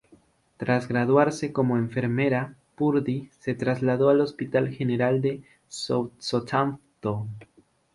Tras graduarse como enfermera, Purdy se trasladó al hospital general de Southampton.